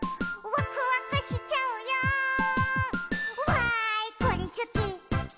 「わーいこれすき！